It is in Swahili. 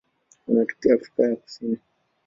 Wanatokea Afrika ya Kusini.